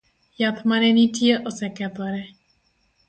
Yath mane nitie osekethore